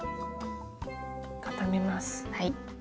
固めます。